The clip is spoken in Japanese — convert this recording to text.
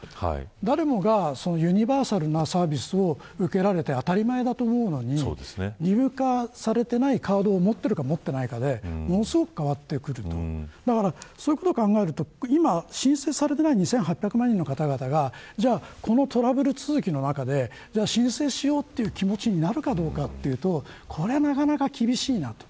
誰もがユニバーサルなサービスを受けられて当たり前だと思うのに義務化されていないカードを持っているか持っていないかでものすごく変わってくるとそういうことを考えると今、申請されていない２８００万人の方々がこのトラブル続きの中で申請しようという気持ちになるかどうかというとこれはなかなか厳しいなと。